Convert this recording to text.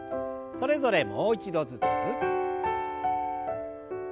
それぞれもう一度ずつ。